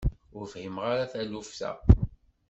Ur fhimeɣ ara taluft-a.